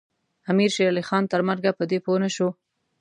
امیر شېرعلي خان تر مرګه په دې پوه نه شو.